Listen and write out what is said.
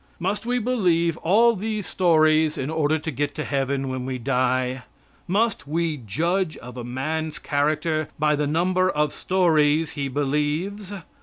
Must we believe all these stories in order to get to Heaven when we die? Must we judge of a man's character by the number of stories he believes?